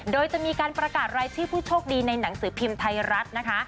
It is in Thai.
โดยจะมีการประกาศรายชื่อผู้โชคดีในหนังสือพิมพ์ไทยรัฐนะคะ